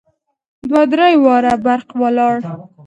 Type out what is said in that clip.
دوه درې واره برق ولاړ.